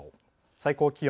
最高気温。